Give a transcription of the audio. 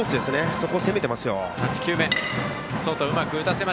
そこを攻めてます。